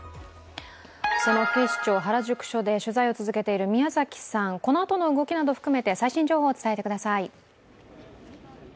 その警視庁原宿署で取材を続けている宮嵜さん、このあとの動きなど含めて最新情報、伝えてください。